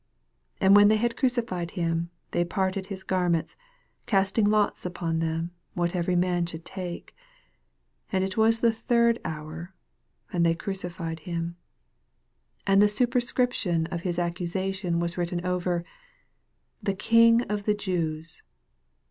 24 And when they had crucified him, they parted his garments, cast ing lots upon them, what every man should take. 25 And it was the third hour, and they crucified him. 26 And the superscription of his accusation was written over, THE KING OF THE JEWS.